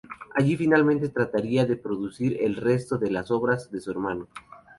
Allí finalmente trataría de producir el resto de las obras de su hermano.